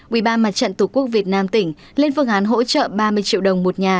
ủy ban mặt trận tổ quốc việt nam tỉnh lên phương án hỗ trợ ba mươi triệu đồng một nhà